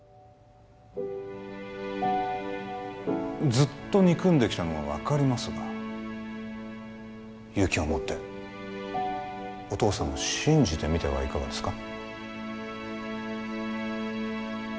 ずっと憎んできたのは分かりますが勇気を持ってお父さんを信じてみてはいかがですか？